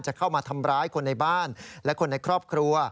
จะเข้ามาทำร้ายคนในบ้านและคนในครอบครัว